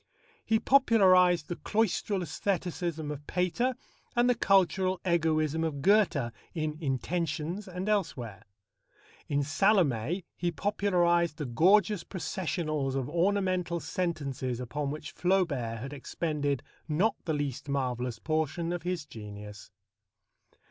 He popularized the cloistral æstheticism of Pater and the cultural egoism of Goethe in Intentions and elsewhere. In Salomé he popularized the gorgeous processionals of ornamental sentences upon which Flaubert had expended not the least marvellous portion of his genius.